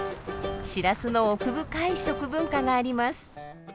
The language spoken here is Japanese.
シラスの奥深い食文化があります。